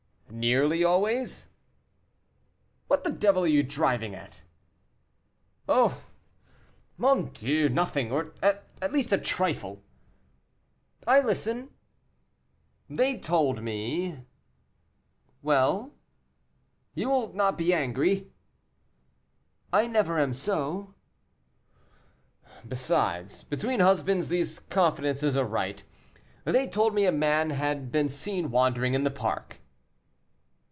"Nearly always?" "What the devil are you driving at?" "Oh; mon Dieu, nothing; or, at least, a trifle." "I listen." "They told me " "Well?" "You will not be angry?" "I never am so." "Besides, between husbands, these confidences are right; they told me a man had been seen wandering in the park."